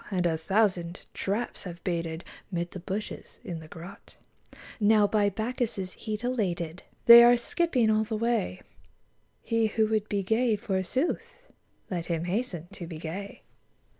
And a thousand traps have baited Mid the bushes, in the grot ; Now by Bacchus* heat elated They are skipping all the way : He who would be gay, forsooth, Let him hasten to be gay.